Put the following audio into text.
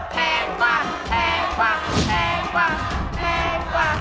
แพงกว่า